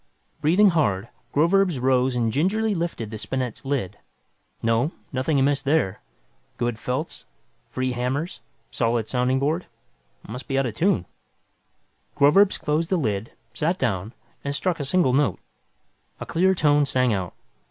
Breathing hard, Groverzb rose and gingerly lifted the spinet's lid. No, nothing amiss there. Good felts, free hammers, solid sounding board must be out of tune. Groverzb closed the lid, sat down and struck a single note. A clear tone sang out.